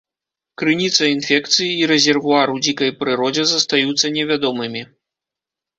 Крыніца інфекцыі і рэзервуар у дзікай прыродзе застаюцца невядомымі.